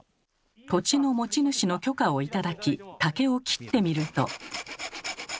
土地の持ち主の許可を頂き竹を切ってみると。